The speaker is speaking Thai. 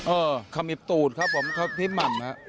เออขมิบตูดครับผมพี่หม่ำ